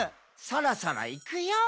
「そろそろいくよー」